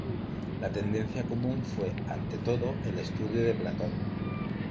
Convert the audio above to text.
La tendencia común fue, ante todo, el estudio de Platón.